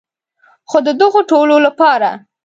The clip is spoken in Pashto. خو د دغو ټولو لپاره.